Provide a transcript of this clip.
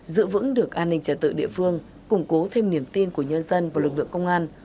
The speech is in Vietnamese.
giữ vững được an ninh trả tự địa phương củng cố thêm niềm tin của nhân dân và lực lượng công an